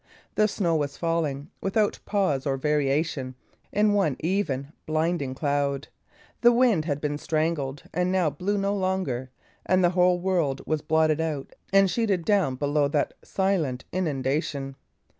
The snow was falling, without pause or variation, in one even, blinding cloud; the wind had been strangled, and now blew no longer; and the whole world was blotted out and sheeted down below that silent inundation.